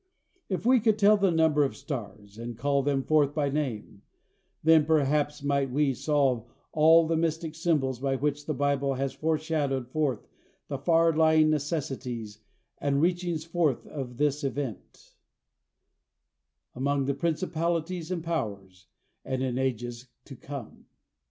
If we could tell the number of the stars, and call them forth by name, then, perhaps, might we solve all the mystic symbols by which the Bible has shadowed forth the far lying necessities and reachings forth of this event "among principalities and powers," and in "ages to come."